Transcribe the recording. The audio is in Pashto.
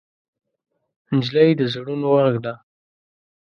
نجلۍ د زړونو غږ ده.